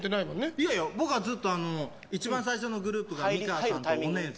いやいや僕はずっとあの一番最初のグループが美川さんとオネーズ。